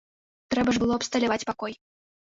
Трэба ж было абсталяваць пакой.